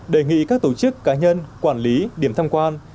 đề nghị các tổ chức cá nhân quản lý điểm tham quan